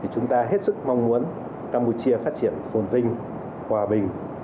chúng ta hết sức mong muốn campuchia phát triển phồn vinh hòa bình